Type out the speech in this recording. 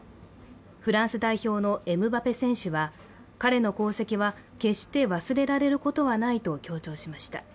フランス代表のエムバペ選手は彼の功績は決して忘れられることはないと強調しました。